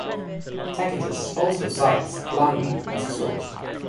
Tacitus also cites Pliny as a source.